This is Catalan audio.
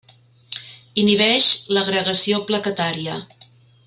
Inhibeix l'agregació plaquetària.